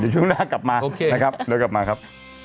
เดี๋ยวช่วงหน้ากลับมาครับ